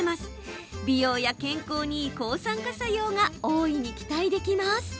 美容や健康にいい抗酸化作用が大いに期待できます。